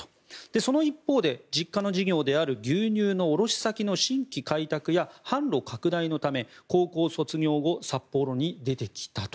その一方で実家の事業である牛乳の卸し先の新規開拓や販路拡大のため高校卒業後、札幌に出てきたと。